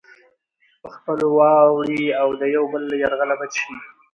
په خپلوۍ واوړي او د يو بل له يرغله بچ شي.